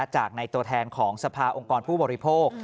จากในตัวแทนของสภาองค์กรผู้บริโภค